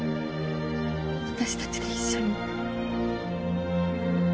私たちで一緒に。